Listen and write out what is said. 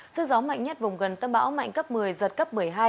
sức gió mạnh nhất vùng gần tâm bão mạnh cấp một mươi giật cấp một mươi hai